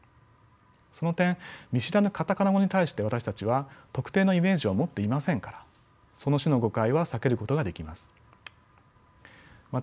その点見知らぬカタカナ語に対して私たちは特定のイメージを持っていませんからその種の誤解は避けることができます。